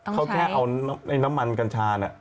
เขาแค่เอาน้ำมันกัญชาน่ะ